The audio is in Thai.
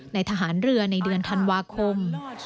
ทหารเรือในเดือนธันวาคม๒๕๖